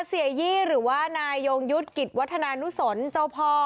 เสียยี่หรือว่านายยงยุทธ์กิจวัฒนานุสนเจ้าพ่อ